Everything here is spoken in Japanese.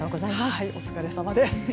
お疲れさまです。